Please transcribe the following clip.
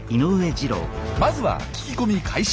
まずは聞き込み開始。